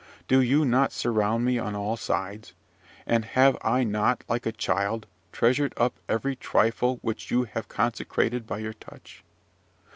Do you not surround me on all sides? and have I not, like a child, treasured up every trifle which you have consecrated by your touch?